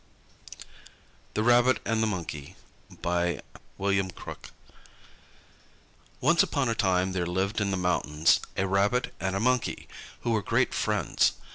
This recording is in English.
The Rabbit and the Monkey ONCE upon a time, there lived in the mountains a Rabbit and a Monkey, who were great friends.